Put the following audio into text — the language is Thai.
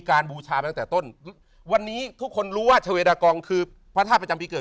บูชามาตั้งแต่ต้นวันนี้ทุกคนรู้ว่าชาเวดากองคือพระธาตุประจำปีเกิด